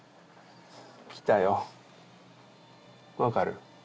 来たよ分かる？